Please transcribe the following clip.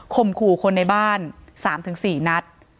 มขู่คนในบ้าน๓๔นัด